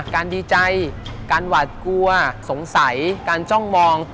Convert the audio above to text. ดีใจการหวาดกลัวสงสัยการจ้องมอง